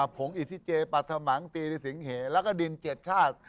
ผงอิทธิเจปรัฐมังตีริสิงเหแล้วก็ดิน๗ชาติ